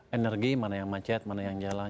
energi mana yang macet mana yang jalan